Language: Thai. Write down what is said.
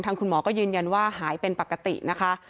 คุณหมอก็ยืนยันว่าหายเป็นปกตินะคะ